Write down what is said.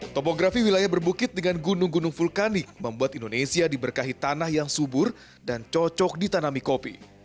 topografi wilayah berbukit dengan gunung gunung vulkanik membuat indonesia diberkahi tanah yang subur dan cocok ditanami kopi